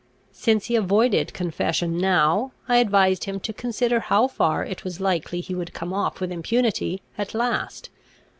Since he avoided confession now, I advised him to consider how far it was likely he would come off with impunity at last.